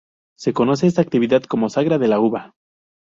Se conoce esta actividad como "Sagra de la uva".